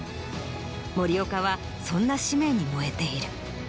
森岡はそんな使命に燃えている。